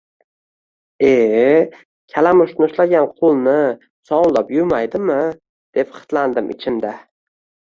Eee, kalamushni ushlagan qo‘lni sovunlab yuvmaydimi, deb xitlandim ichimda